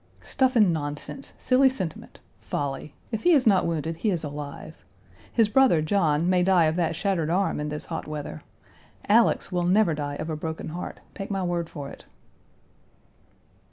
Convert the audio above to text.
Stuff and nonsense; silly sentiment, folly! If he is not wounded, he is alive. His brother, John, may die of that shattered arm in this hot weather. Alex will never die of a broken heart. Take my word for it.